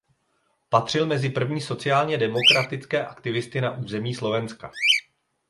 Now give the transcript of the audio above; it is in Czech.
Patřil mezi první sociálně demokratické aktivisty na území Slovenska.